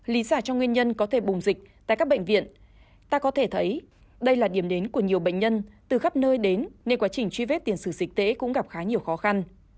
lý giải cho nguyên nhân có thể bùng dịch tại các bệnh viện ta có thể thấy đây là điểm đến của nhiều bệnh nhân từ khắp nơi đến nên quá trình truy vết tiền sử dịch tễ cũng gặp khá nhiều khó khăn